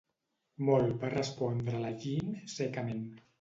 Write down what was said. Molt, va respondre la Jeanne, secament.